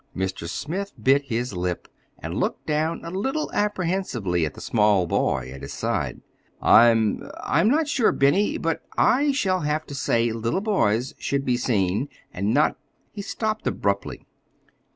Mr. Smith bit his lip, and looked down a little apprehensively at the small boy at his side. "I—I'm not sure, Benny, but I shall have to say little boys should be seen and not—" He stopped abruptly.